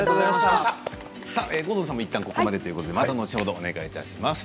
郷敦さんもいったんここまででまた後ほどお願いします。